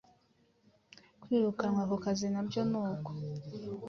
kwirukanwa ku kazi nabyo nuko